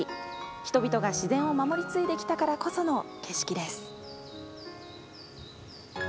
人々が自然を守り継いできたからこその景色です。